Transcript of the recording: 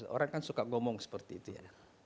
orang kan suka ngomong seperti itu ya